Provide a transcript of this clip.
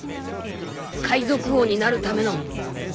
海賊王になるための。